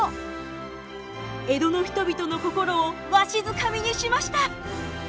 江戸の人々の心をわしづかみにしました。